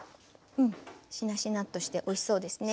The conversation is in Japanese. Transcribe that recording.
うんしなしなっとしておいしそうですね。